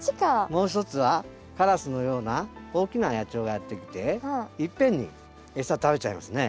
もう一つはカラスのような大きな野鳥がやって来て一遍に餌食べちゃいますね。